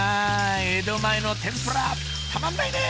江戸前の天ぷらたまんないね！